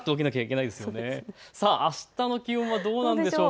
あしたの気温はどうなんでしょうか。